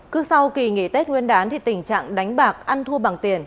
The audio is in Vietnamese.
cứ sau kỳ nghỉ tết nguyên đán thì tình trạng đánh bạc ăn thua bằng tiền